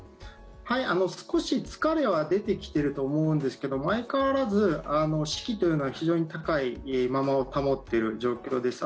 少し疲れは出てきていると思うんですけど相変わらず士気というのは非常に高いままを保っている状況です。